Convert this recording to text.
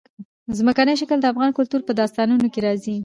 ځمکنی شکل د افغان کلتور په داستانونو کې راځي.